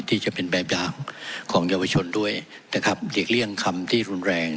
จะเป็นแบบอย่างของเยาวชนด้วยนะครับหลีกเลี่ยงคำที่รุนแรง